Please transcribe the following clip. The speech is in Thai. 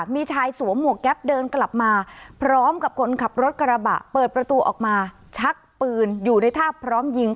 มีชายสวมหมวกแก๊ปเดินกลับมาพร้อมกับคนขับรถกระบะเปิดประตูออกมาชักปืนอยู่ในท่าพร้อมยิง